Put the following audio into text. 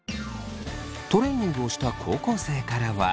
トレーニングをした高校生からは。